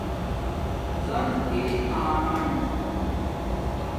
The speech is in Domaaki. زن اِری آ ْنن